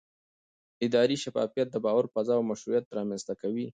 اداري شفافیت د باور فضا او مشروعیت رامنځته کوي